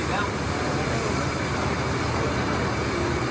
ไม่ได้รถกลับไม่ได้รถ